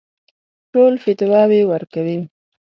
ټول فتواوې ورکوي.